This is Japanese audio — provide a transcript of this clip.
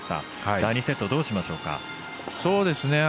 第２セットどうしましょうか？